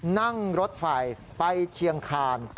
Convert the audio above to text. นั่งรถไฟไปเชียงคาน